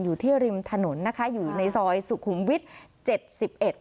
อยู่ที่ริมถนนนะคะอยู่ในซอยสุขุมวิทย์๗๑